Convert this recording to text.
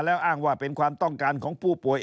แล้วอ้างว่าเป็นความต้องการของผู้ป่วย